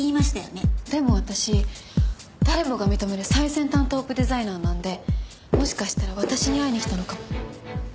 でも私誰もが認める最先端トップデザイナーなのでもしかしたら私に会いに来たのかも。